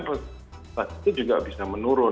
itu juga bisa menurun